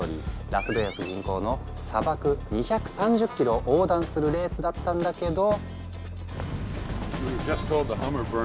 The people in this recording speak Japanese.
ラスベガス近郊の砂漠２３０ｋｍを横断するレースだったんだけど。